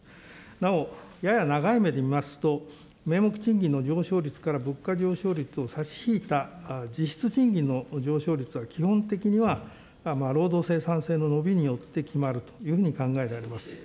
なお、やや長い目で見ますと、名目賃金の上昇率から物価上昇率を差し引いた実質賃金の上昇率は、基本的には労働生産性の伸びによって決まるというふうに考えられます。